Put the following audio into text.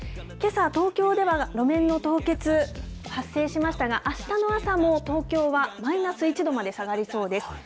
けさ、東京では路面の凍結、発生しましたが、あしたの朝も東京はマイナス１度まで下がりそうです。